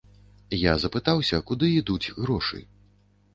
Я запытаўся, куды ідуць грошы.